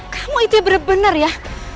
kamu itu bener bener ya